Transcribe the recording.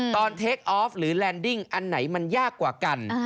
เทคออฟหรือแลนดิ้งอันไหนมันยากกว่ากัน